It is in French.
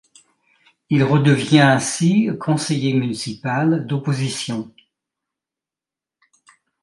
Il redevient ainsi conseiller municipal d'opposition.